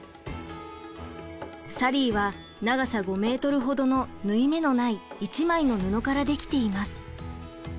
サリーは長さ５メートルほどの縫い目のない一枚の布から出来ています。